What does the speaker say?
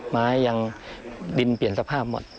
ไม้ยังดินเปลี่ยนสภาพหมด